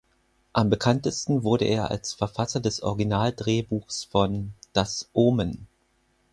Am bekanntesten wurde er als Verfasser des Original-Drehbuchs von "Das Omen".